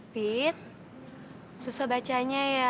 fit susah bacanya ya